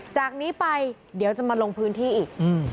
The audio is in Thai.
จากนี้ไปเดี๋ยวจะมาลงพื้นที่อีก